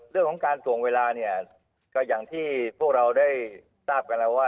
เรื่องของการส่งเวลาเนี่ยก็อย่างที่พวกเราได้ทราบกันแล้วว่า